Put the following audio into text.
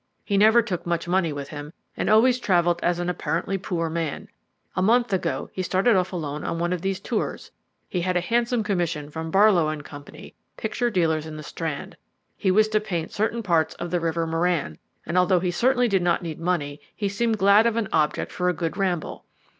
He never took much money with him, and always travelled as an apparently poor man. A month ago he started off alone on one of these tours. He had a handsome commission from Barlow & Co., picture dealers in the Strand. He was to paint certain parts of the river Merran; and although he certainly did not need money, he seemed glad of an object for a good ramble.